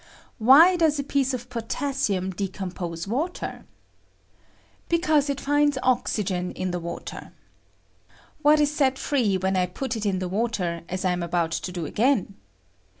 Why does a piece of potassium decompose water? Because it finds oxygen in the water. What IS set free when I put it in the water, as I atn » i: 120 FORMATION OF WATER, about to do again